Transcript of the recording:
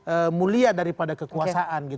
ee mulia daripada kekuasaan